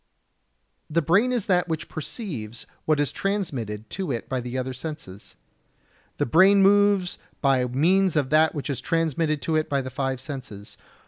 The brain is that which perceives what is transmitted to it by the other senses. The brain moves by means of that which is transmitted to it by the five senses.